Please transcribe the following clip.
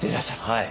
はい。